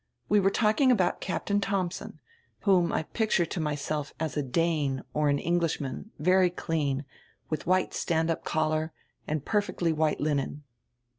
We were talking about Cap tain Thomsen, whom I picture to myself as a Dane or an Englishman, very clean, with white stand up collar, and perfectly white linen."